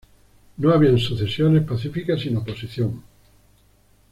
No habían sucesiones pacíficas sin oposición.